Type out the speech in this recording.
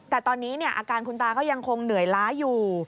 แต่ตอนนี้อาการคุณตาก็ยังคงเหนื่อยล้าอยู่